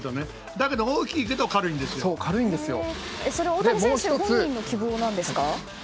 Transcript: だけど、大きいけどそれ、大谷選手本人の希望なんですか？